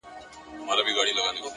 او خبرو باندي سر سو;